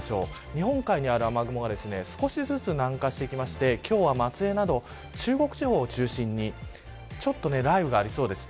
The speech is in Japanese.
日本海にある雨雲が少しずつ南下してきまして今日は松江など中国地方を中心にちょっと雷雨がありそうです。